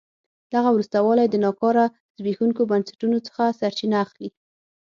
دغه وروسته والی د ناکاره زبېښونکو بنسټونو څخه سرچینه اخلي.